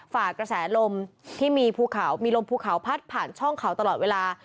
ฝากระแสลมีลมภูเขาพัดผ่านช่องเขาตลอดเวลา